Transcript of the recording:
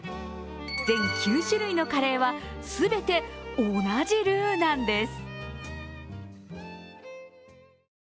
全９種類のカレーは全て同じルーなんです。